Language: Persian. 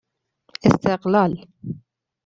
استقلال